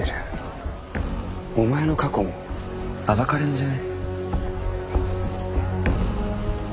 お前の過去も暴かれんじゃね？